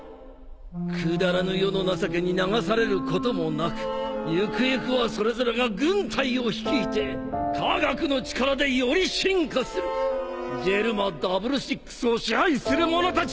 くだらぬ世の情けに流されることもなくゆくゆくはそれぞれが軍隊を率いて科学の力でより進化するジェルマ６６を支配する者たちとなるのだ！